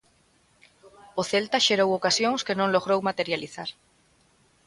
O Celta xerou ocasións que non logrou materializar.